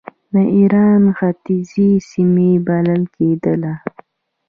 د ایران ختیځې سیمې بلل کېدله.